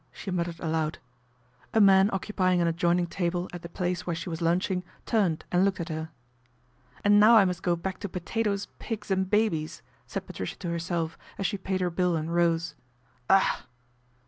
" she muttered aloud. A man occupying an adjoining table at the place where she was lunching turned and looked at her. " And now I must go back to potatoes, pigs, and babies," said Patricia to herself as she paid her bill and rose. " Ugh